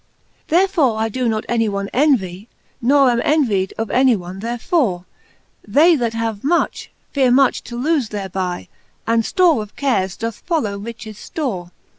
Therefore I doe not any one envy, Nor am envyde of any one therefore ; They, that have much, feare much to loofe therel>y, And ftore of cares doth follow riches ftore.